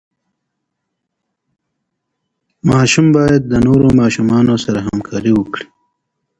ماشوم باید د نورو ماشومانو سره همکاري وکړي.